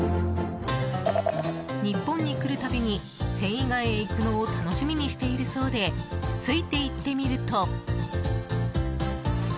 日本に来るたびに繊維街へ行くのを楽しみにしているそうでついて行ってみると。